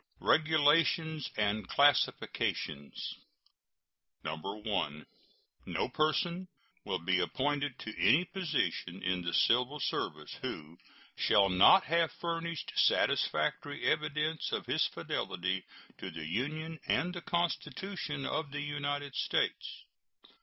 REGULATIONS AND CLASSIFICATION. 1. No person will be appointed to any position in the civil service who shall not have furnished satisfactory evidence of his fidelity to the Union and the Constitution of the United States.